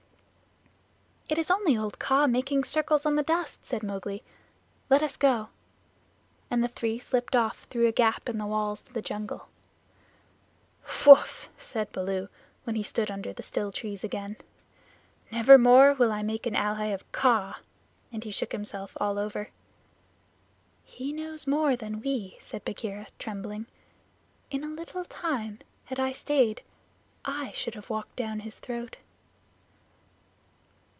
"It is only old Kaa making circles on the dust," said Mowgli. "Let us go." And the three slipped off through a gap in the walls to the jungle. "Whoof!" said Baloo, when he stood under the still trees again. "Never more will I make an ally of Kaa," and he shook himself all over. "He knows more than we," said Bagheera, trembling. "In a little time, had I stayed, I should have walked down his throat."